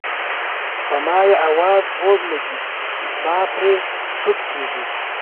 په ما یې اواز خوږ لګي زما پرې سود کیږي.